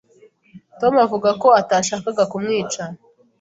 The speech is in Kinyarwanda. Tom avuga ko atashakaga kumwica.